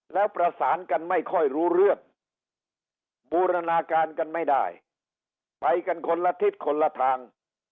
มันมีหน้าการกันไม่ได้ไปกันคนละทิศคนละทาง